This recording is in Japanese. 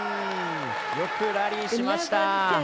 よくラリーしました。